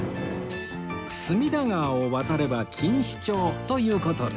隅田川を渡れば錦糸町という事で